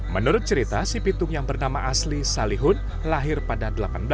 menurut cerita si pitung yang bernama asli salihun lahir pada seribu delapan ratus enam puluh